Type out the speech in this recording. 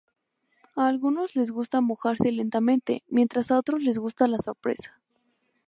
A algunos les gusta mojarse lentamente, mientras a otros les gusta la sorpresa.